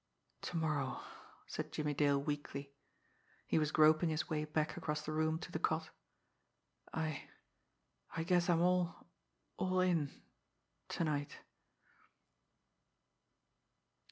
"To morrow," said Jimmie Dale weakly he was groping his way back across the room to the cot "I I guess I'm all all in to night."